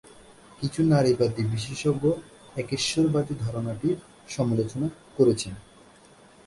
কিছু নারীবাদী বিশেষজ্ঞ একেশ্বরবাদী ধারণাটির সমালোচনা করেছেন।